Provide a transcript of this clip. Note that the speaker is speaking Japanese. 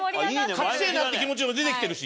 勝ちてえなって気持ちも出てきてるし。